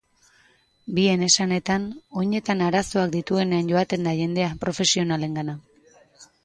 Bien esanetan, oinetan arazoak dituenean joaten da jendea profesionalengana.